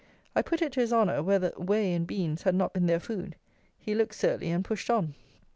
I put it to his honour whether whey and beans had not been their food. He looked surly, and pushed on.